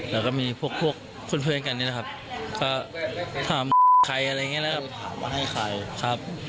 แล้วก็มีพวกคุณเพื่อนกันนี่แหละครับก็ถามใครอะไรอย่างเงี้ยแล้ว